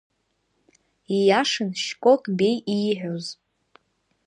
Ииашан Шькок Беи ииҳәоз.